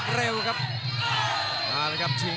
กำปั้นขวาสายวัดระยะไปเรื่อย